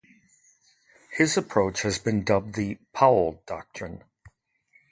His approach has been dubbed the "Powell Doctrine".